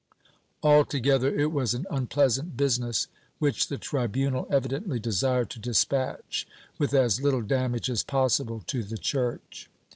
^ Altogether it was an unpleasant business, which the tribunal evidently desired to despatch with as little damage as possible to the Church.